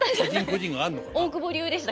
大久保流でしたかね。